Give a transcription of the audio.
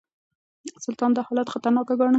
سلطان دا حالت خطرناک ګاڼه.